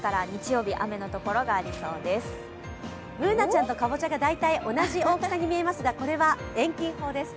Ｂｏｏｎａちゃんとかぼちゃが大体同じくらいの大きさに見えますがこれは遠近法です。